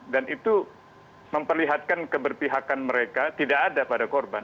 dan itu memperlihatkan keberpihakan mereka tidak ada pada korban